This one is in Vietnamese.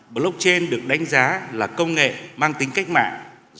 blockchain được đánh giá là công nghệ mang tính cách mạng